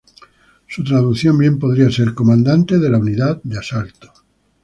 Su traducción bien podría ser "comandante de la unidad de asalto".